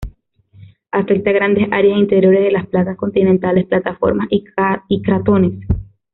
Afecta a grandes áreas interiores de las placas continentales: plataformas y cratones.